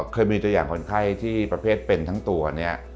เคยมีตัวอย่างคนไข้ที่ประเภทเป็นทั้งตัวเนี่ย